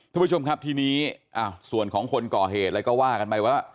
ทุกผู้ชมครับทีนี้ส่วนของคนก่อเหตุอะไรก็ว่ากันไปว่า